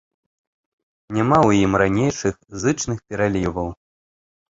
Няма ў ім ранейшых зычных пераліваў.